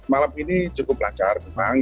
malam ini cukup lancar memang